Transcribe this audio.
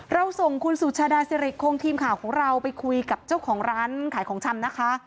เราส่งคุณสุชาดาสิริคงทีมข่าวของเราไปคุยกับเจ้าของร้านขายของชำนะคะ